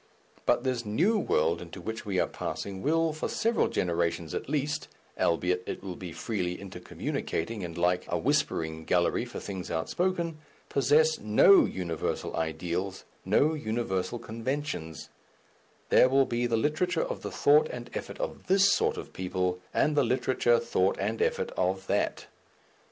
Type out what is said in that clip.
But this new world into which we are passing will, for several generations at least, albeit it will be freely inter communicating and like a whispering gallery for things outspoken, possess no universal ideals, no universal conventions: there will be the literature of the thought and effort of this sort of people, and the literature, thought, and effort of that.